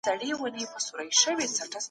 ټولنيز ملکيت د سوسياليستانو شعار دی.